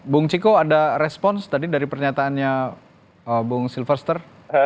bung ciko ada respons tadi dari pernyataannya bung silverster